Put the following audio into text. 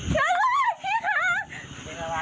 ช่วยหน่อยค่ะช่วยหน่อยพี่คะ